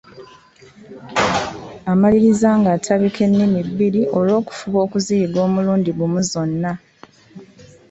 Amaliriza ng’atabika ennimi bbiri olw’okufuba okuziyiga omulundi gumu zonna.